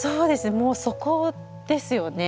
もうそこですよね。